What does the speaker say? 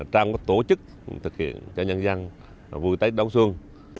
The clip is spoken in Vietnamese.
đang có tổ chức thực hiện cho nhân dân vui tết đón xuân